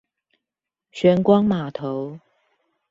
玄光碼頭